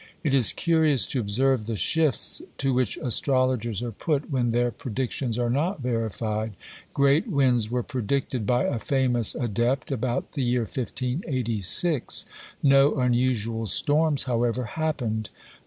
It is curious to observe the shifts to which astrologers are put when their predictions are not verified. Great winds were predicted, by a famous adept, about the year 1586. No unusual storms, however, happened.